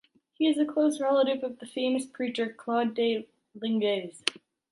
He is a close relative of the famous preacher Claude de Lingendes.